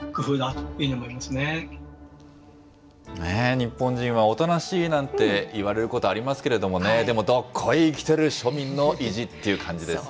日本人はおとなしいなんていわれることありますけれどもね、でもどっこい、生きてる庶民の意地っていう感じですね。